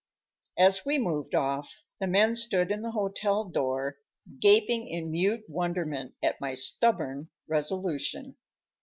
As we moved off, the men stood in the hotel door, gaping in mute wonderment at my stubborn resolution.